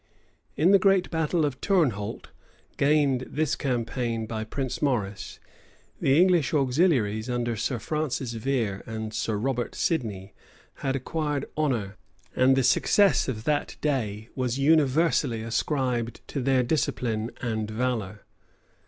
In the great battle of Tournholt, gained this campaign by Prince Maurice, the English auxiliaries under Sir Francis Vere and Sir Robert Sidney had acquired honor; and the success of that day was universally ascribed to their discipline and valor.